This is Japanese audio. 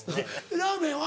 ラーメンは？